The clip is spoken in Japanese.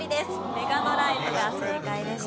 メガドライブが正解でした。